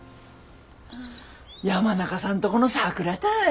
山中さんとこのさくらたい。